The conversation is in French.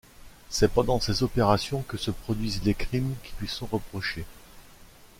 C'est pendant ces opérations que se produisent les crimes qui lui sont reprochés.